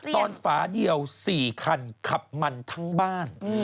ฝาเดียว๔คันขับมันทั้งบ้าน